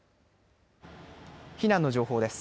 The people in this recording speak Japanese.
避難の情報です。